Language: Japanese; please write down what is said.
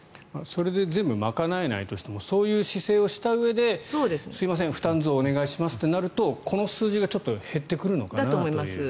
それで全部、賄えないとしてもそういう姿勢をしたうえですいません負担増をお願いしますってなるとこの数字が減ってくるのかなという感じがしますね。